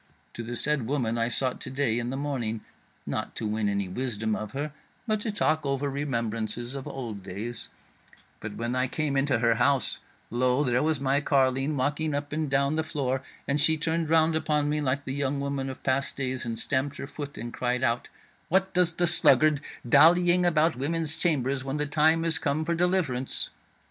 To the said woman I sought to day in the morning, not to win any wisdom of her, but to talk over remembrances of old days; but when I came into her house, lo, there was my carline walking up and down the floor, and she turned round upon me like the young woman of past days, and stamped her foot and cried out: 'What does the sluggard dallying about women's chambers when the time is come for the deliverance?'